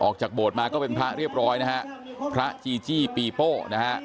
ออกจากโบสถมาก็เป็นพระเรียบร้อยนะฮะพระจีจี้ปีโป้นะฮะ